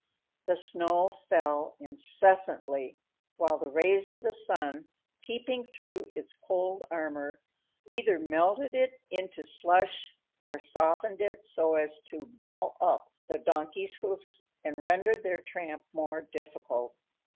The snow fell incessantly, while the rays of the sun, peeping through its cold armor, either melted it into slush or softened it so as to "ball up" the donkeys' hoofs and render their tramp more difficult.